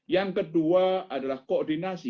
yang kedua adalah koordinasi